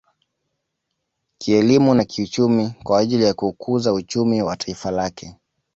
Kielimu na kiuchumi kwa ajili ya kuukuza uchumi wa taifa lake